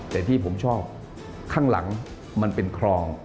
แต่ที่ผมชอบข้างหลังมันเป็นคลอง